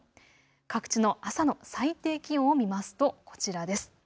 各地の朝の最低気温を見ますと、こちらです。